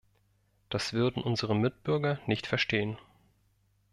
Das würden unsere Mitbürger nicht verstehen.